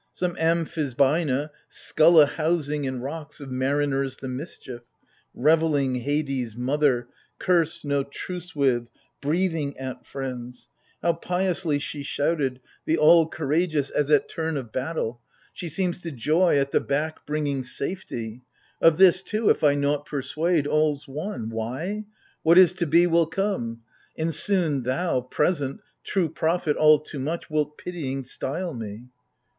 Some amphisbaina — Skulla Housing in rocks, of mariners the mischief, Revelling Hades' mother, — curse, no truce with, Breathing at friends ! How piously she shoiited, AGAMEMNON. 105 The all courageous, as at turn of battle ! She seems to joy at the back bringing safety ! Of this, too, if I nought persuade, all's one ! Why ? What is to be will come ! And soon thou, present, " True prophet all too much " wilt pitying style me